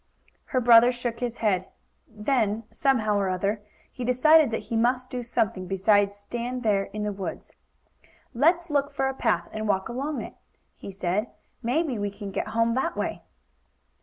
Her brother shook his head. Then, somehow or other, he decided that he must do something besides stand there in the woods. "Let's look for a path and walk along it," he said. "Maybe we can get home that way."